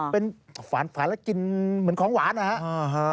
เป็นฝานแล้วกินเหมือนของหวานนะครับ